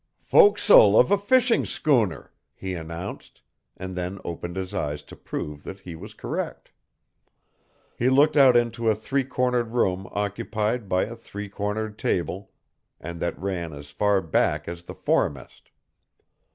"Fo'c'stle of a fishing schooner!" he announced, and then opened his eyes to prove that he was correct. He looked out into a three cornered room occupied by a three cornered table, and that ran as far back as the foremast.